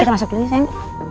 kita masuk dulu sayang